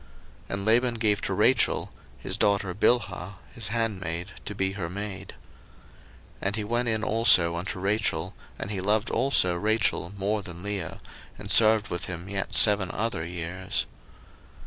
01:029:029 And Laban gave to Rachel his daughter Bilhah his handmaid to be her maid. 01:029:030 And he went in also unto Rachel, and he loved also Rachel more than Leah, and served with him yet seven other years.